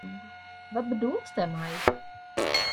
Wat bedoelst dêrmei?